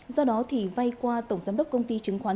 do đó thì vay qua tổng giám đốc công ty chứng khoán